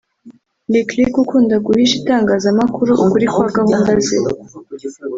Lick Lick ukunda guhisha itangazamakuru ukuri kwa gahunda ze